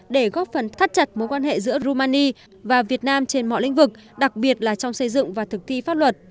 để góp phần thắt chặt mối quan hệ giữa romani và việt nam trên mọi lĩnh vực đặc biệt là trong xây dựng và thực thi pháp luật